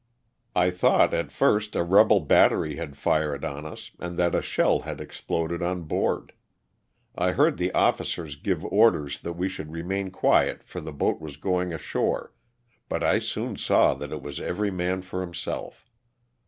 I thought at first a rebel battery had fired on us and that a shell had exploded on board. I heard the officers give orders that we should remain quiet for the boat was going ashore, but I soon saw that it was every man for himself.